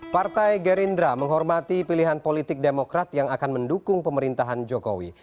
partai gerindra menghormati pilihan politik demokrat yang akan mendukung pemerintahan jokowi